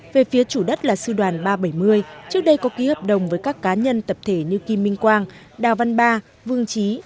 về phía chủ đất là sư đoàn ba trăm bảy mươi trước đây có ký hợp đồng với các cá nhân tập thể như kim minh quang đào văn ba vương trí